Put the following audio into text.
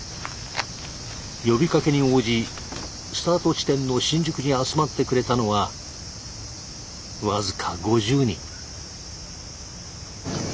呼びかけに応じスタート地点の新宿に集まってくれたのは僅か５０人。